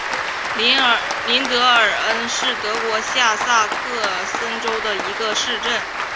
林德尔恩是德国下萨克森州的一个市镇。